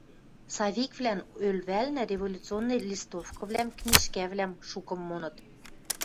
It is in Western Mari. Савиквлӓн ӧлвӓлнӹ революционный листовкывлӓм, книжкӓвлӓм шукым моныт.